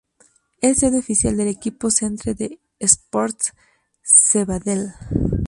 Es sede oficial del equipo Centre d'Esports Sabadell.